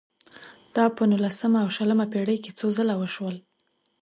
دا په نولسمه او شلمه پېړۍ کې څو ځله وشول.